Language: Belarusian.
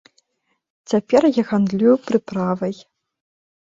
Цяпер я гандлюю прыправай.